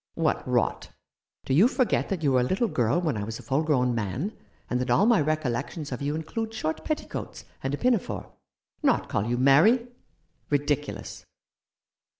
" What rot ! Do you forget that you were a little girl when I was a full grown man, and that all my recollections of you include short petticoats and a pinafore ? Not call you Mary ? Ridiculous